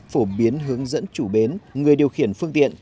phổ biến hướng dẫn chủ bến người điều khiển phương tiện